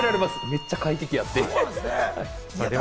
めっちゃ快適やって。